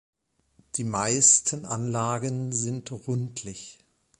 Die meisten Anlagen sind rundlich.